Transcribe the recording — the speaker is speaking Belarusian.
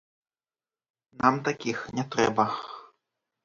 Нам такіх не трэба.